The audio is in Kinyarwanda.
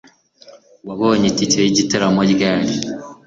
Wabonye itike yigitaramo ryari